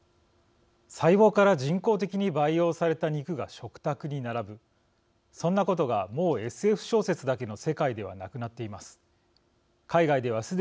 細胞から人工的に培養された肉が食卓に並ぶそんなことがもうＳＦ小説だけの世界ではなくなっています。